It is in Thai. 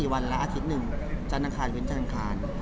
๔วันละอาทิตย์หนึ่งจันทร์ทางคารวินทร์จันทร์ทางคาร